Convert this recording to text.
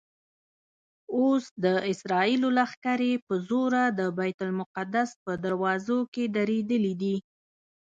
اوس د اسرائیلو لښکرې په زوره د بیت المقدس په دروازو کې درېدلي دي.